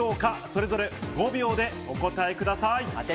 それぞれ５秒でお答えください。